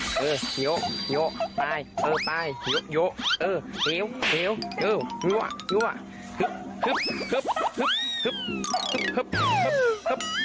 ฮึบฮึบฮึบฮึบฮึบฮึบฮึบฮึบ